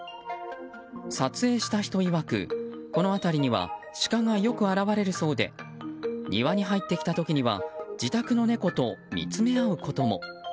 撮影した人曰くこの辺りにはシカがよく現れるそうで庭に入ってきた時には自宅の猫と見つめ合うことも。